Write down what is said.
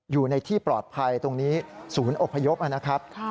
อยู่ในที่ปลอดภัยตรงนี้ศูนย์อพยพนะครับ